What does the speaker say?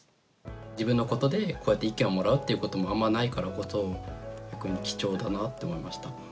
自分のことでこうやって意見をもらうということもあんまないからこそ逆に貴重だなって思いました。